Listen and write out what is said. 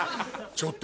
ちょっと。